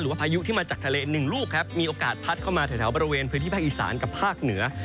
พายุที่มาจากทะเลหนึ่งลูกครับมีโอกาสพัดเข้ามาแถวบริเวณพื้นที่ภาคอีสานกับภาคเหนือ